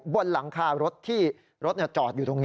บนหลังคารถที่รถจอดอยู่ตรงนี้